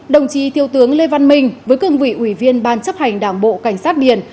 đồng chí thiếu tướng lê văn minh với cương vị ủy viên ban chấp hành đảng bộ cảnh sát biển